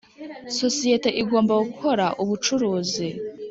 Sosiyete igomba gukora ubucuruzi